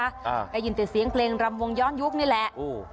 อ่าได้ยินแต่เสียงเพลงรำวงย้อนยุคนี่แหละโอ้